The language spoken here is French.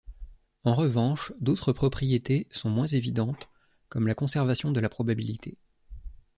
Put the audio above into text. En revanche, d'autres propriétés sont moins évidentes, comme la conservation de la probabilité.